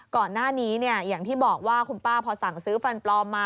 ก่อนหน้านี้อย่างที่บอกว่าคุณป้าพอสั่งซื้อฟันปลอมมา